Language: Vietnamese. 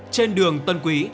trên đường tân quý